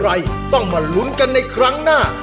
อะไรต้องมาลุ้นกันในครั้งหน้า